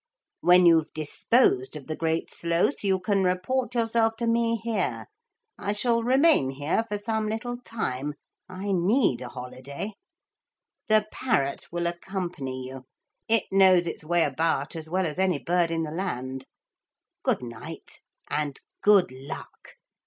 When you've disposed of the Great Sloth you can report yourself to me here. I shall remain here for some little time. I need a holiday. The parrot will accompany you. It knows its way about as well as any bird in the land. Good night. And good luck!